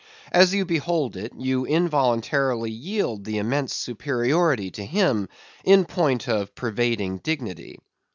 As you behold it, you involuntarily yield the immense superiority to him, in point of pervading dignity.